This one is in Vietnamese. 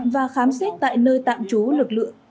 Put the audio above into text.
và khám xét tại nơi tạm chú lực lượng